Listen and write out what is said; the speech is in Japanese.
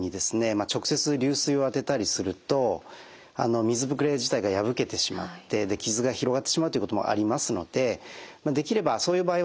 直接流水を当てたりすると水ぶくれ自体が破けてしまって傷が広がってしまうっていうこともありますのでできればそういう場合はですね